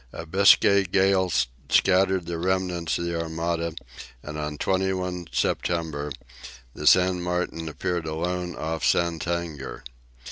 A Biscay gale scattered the remnant of the Armada, and on 21 September the "San Martin" appeared alone off Santander.